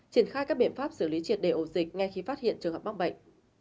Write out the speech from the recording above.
triển khai các biện pháp xử lý triệt đề ổ dịch ngay khi phát hiện trường hợp mắc bệnh